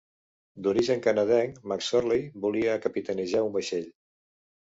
D'origen canadenc, McSorley volia capitanejar un vaixell.